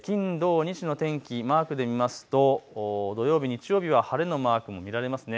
金、土、日の天気マークで見ると土曜日、日曜日は晴れのマークも見られますね。